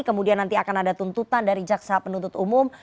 kemudian nanti akan ada tuntutan dari jaksa penuntut umum